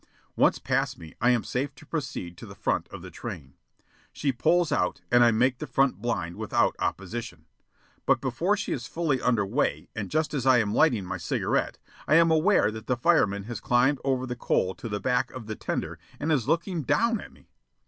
Once past me, I am safe to proceed to the front of the train. She pulls out, and I make the front blind without opposition. But before she is fully under way and just as I am lighting my cigarette, I am aware that the fireman has climbed over the coal to the back of the tender and is looking down at me.